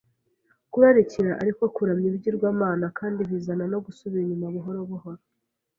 kurarikira ari ko kuramya ibigirwamana kandi binazana no gusubira inyuma buhoro buhoro